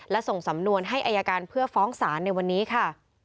และส่งสำนวนให้อายการเพื่อฟ้องศาลในวันนี้ค่ะ